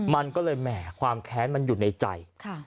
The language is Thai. มันก็เลยแหมความแค้นมันอยู่ในใจ